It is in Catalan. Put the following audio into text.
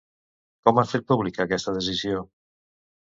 Com han fet pública aquesta decisió?